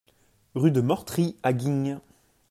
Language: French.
Rue de Mortry à Guignes